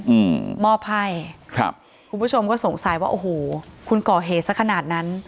อืมมอบให้ครับคุณผู้ชมก็สงสัยว่าโอ้โหคุณก่อเหตุสักขนาดนั้น